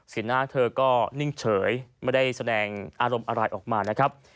หน้าเธอก็นิ่งเฉยไม่ได้แสดงอารมณ์อะไรออกมานะครับ